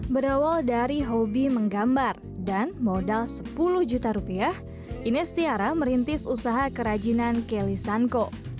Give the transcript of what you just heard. berawal dari hobi menggambar dan modal sepuluh juta rupiah ines tiara merintis usaha kerajinan kelly sanko